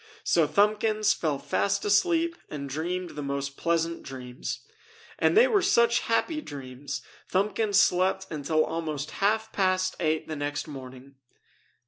So Thumbkins fell fast asleep and dreamed the most pleasant dreams. And they were such happy dreams Thumbkins slept until almost half past eight the next morning.